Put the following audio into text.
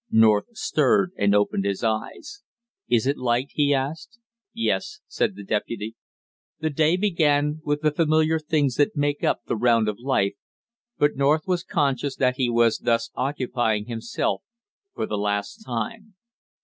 North stirred and opened his eyes. "Is it light?" he asked. "Yes," said the deputy. The day began with the familiar things that make up the round of life, but North was conscious that he was thus occupying himself for the last time.